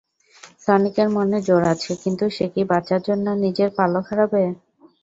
সনিকের মনে জোর আছে, কিন্তু সে কি বাঁচার জন্য নিজের পালক হারাবে?